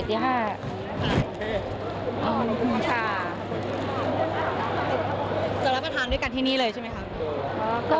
จะรับประทานด้วยกันที่นี่เลยใช่ไหมคะ